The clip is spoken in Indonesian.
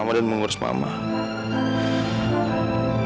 mas prabu sudah selesai